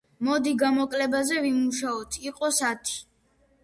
მოდი გამოკლებაზე ვიმუშაოთ, იყოს ათი.